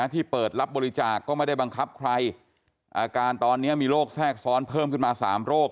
ที่เปิดรับบริจาคก็ไม่ได้บังคับใครอาการตอนนี้มีโรคแทรกซ้อนเพิ่มขึ้นมา๓โรค